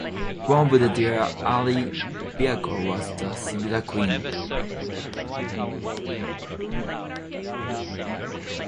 One of their early vehicles was the "Silver Queen".